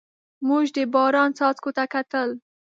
موږ د باران څاڅکو ته کتل.